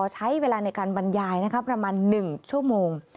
ใช้เวลาในการบรรยายประมาณ๑ชั่วโมง